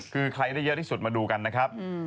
คือใครได้เยอะที่สุดมาดูกันนะครับ